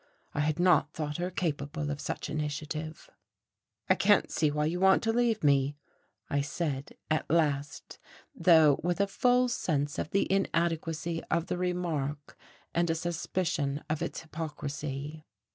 I had not thought her capable of such initiative. "I can't see why you want to leave me," I said at last, though with a full sense of the inadequacy of the remark, and a suspicion of its hypocrisy.